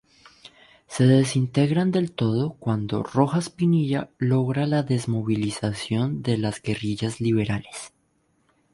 Se desintegran del todo cuando Rojas Pinilla logra la desmovilización de las guerrillas liberales.